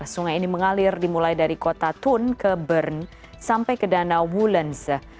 sungai ini mengalir dimulai dari kota thun ke bern sampai ke danau wulanza